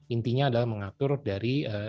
intinya adalah mengatur dari